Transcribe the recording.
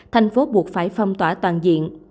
thành phố buộc phải phong tỏa toàn diện